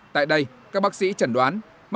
tại đây các bác sĩ chẳng đoán